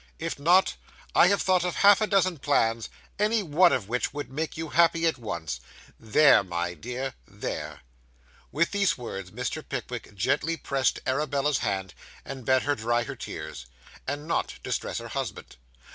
If not, I have thought of half a dozen plans, any one of which would make you happy at once. There, my dear, there!' With these words, Mr. Pickwick gently pressed Arabella's hand, and bade her dry her eyes, and not distress her husband.